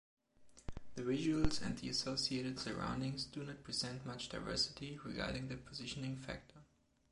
The visuals and the associated surroundings do not present much diversity regarding the positioning factor.